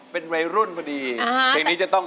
เป็นเพลงที่อยู่ในช่วง